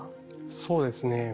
そうですね。